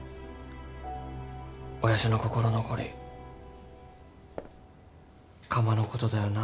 親父の心残り窯のことだよな。